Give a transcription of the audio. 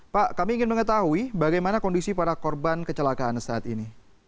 pak kami ingin mengetahui bagaimana kondisi para korban kecelakaan saat ini